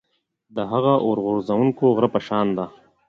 د هغه اور غورځوونکي غره په شان ده.